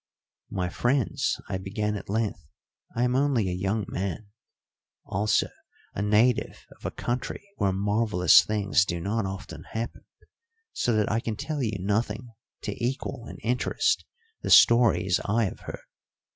"My friends," I began at length, "I am only a young man; also a native of a country where marvellous things do not often happen, so that I can tell you nothing to equal in interest the stories I have heard.